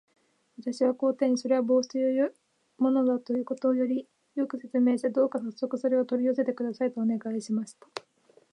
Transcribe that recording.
私は皇帝に、それは帽子というものだということを、よく説明して、どうかさっそくそれを取り寄せてください、とお願いしました。